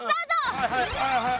はいはいはいはい。